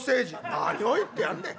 「何を言ってやんでえ」。